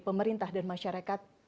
pemerintah dan masyarakat